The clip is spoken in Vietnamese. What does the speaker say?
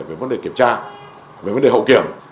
về vấn đề kiểm tra về vấn đề hậu kiểm